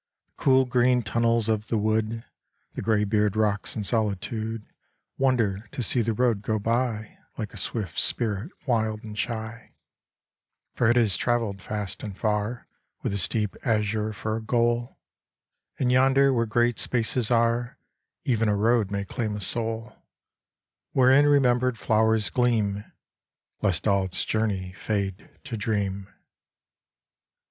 The cool green tunnels of the wood, The graybeard rocks in solitude Wonder to see the road go by Like a swift spirit wild and shy ; For it has traveled fast and far With the steep azure for a goal: And yonder where great spaces are Even a road may claim a soul Wherein remembered flowers gleam, Lest all its journey fade to dream.